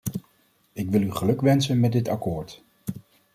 Ik wil u gelukwensen met dit akkoord.